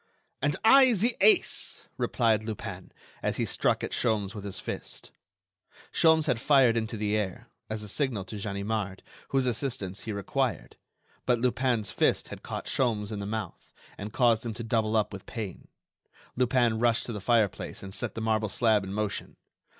"And I the ace," replied Lupin, as he struck at Sholmes with his fist. Sholmes had fired into the air, as a signal to Ganimard, whose assistance he required. But Lupin's fist had caught Sholmes in the stomach, and caused him to double up with pain. Lupin rushed to the fireplace and set the marble slab in motion....